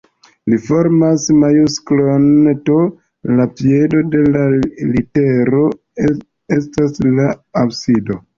Ĝi formas majusklon T, la piedo de la litero estas la absido.